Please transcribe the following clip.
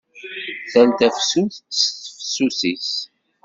Tal tafsut s tefsut-is!